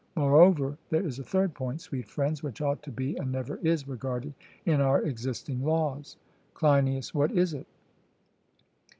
Moreover, there is a third point, sweet friends, which ought to be, and never is, regarded in our existing laws. CLEINIAS: What is it?